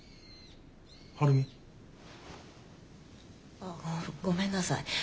ああごめんなさい。